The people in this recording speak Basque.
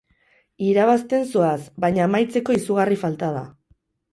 Irabazten zoaz baina amaitzeko izugarri falta da.